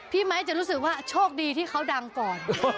ไม้จะรู้สึกว่าโชคดีที่เขาดังก่อน